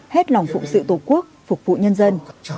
hết lòng phụng sự tổ quốc phục vụ nhân dân